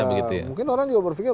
mungkin orang juga berpikir